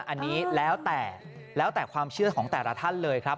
อันนี้แล้วแต่แล้วแต่ความเชื่อของแต่ละท่านเลยครับ